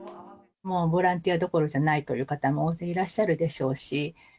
もうボランティアどころじゃないという方も大勢いらっしゃるでしょうし。